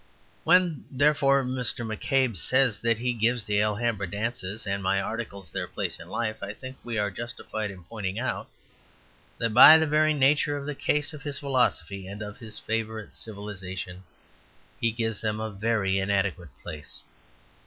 When, therefore, Mr. McCabe says that he gives the Alhambra dances (and my articles) their place in life, I think we are justified in pointing out that by the very nature of the case of his philosophy and of his favourite civilization he gives them a very inadequate place.